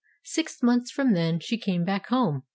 / Six months from then she came back home.